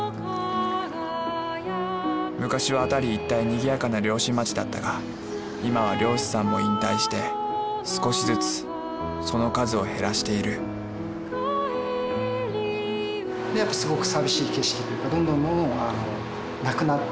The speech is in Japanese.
昔は辺り一帯にぎやかな漁師町だったが今は漁師さんも引退して少しずつその数を減らしている自分は誰でだから何をするのか。